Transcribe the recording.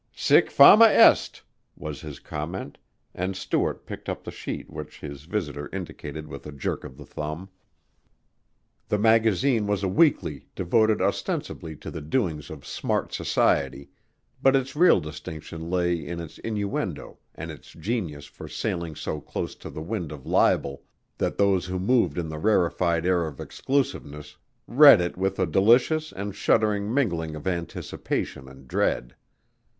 "Sic fama est" was his comment, and Stuart picked up the sheet which his visitor indicated with a jerk of the thumb. The magazine was a weekly devoted ostensibly to the doings of smart society, but its real distinction lay in its innuendo and its genius for sailing so close to the wind of libel that those who moved in the rarified air of exclusiveness read it with a delicious and shuddering mingling of anticipation and dread.